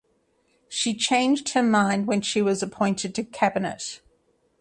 She changed her mind when she was appointed to Cabinet.